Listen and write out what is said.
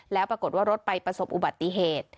แล้วปรากฏว่ารถไปประสบอุบัติเหตุ